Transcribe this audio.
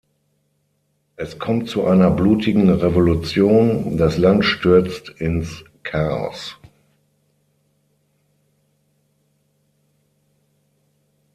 Es kommt zu einer blutigen Revolution, das Land stürzt ins Chaos.